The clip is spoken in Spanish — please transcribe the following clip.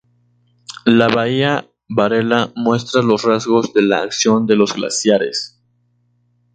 La bahía Varela muestra los rasgos de la acción de los glaciares.